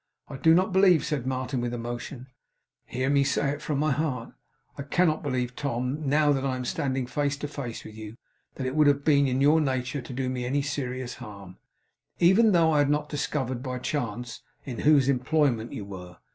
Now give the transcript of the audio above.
I do not believe,' said Martin, with emotion 'hear me say it from my heart I CANNOT believe, Tom, now that I am standing face to face with you, that it would have been in your nature to do me any serious harm, even though I had not discovered, by chance, in whose employment you were.